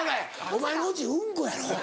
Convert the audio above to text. お前のオチウンコやろ。